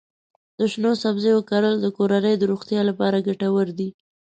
د شنو سبزیو کرل د کورنۍ د روغتیا لپاره ګټور دي.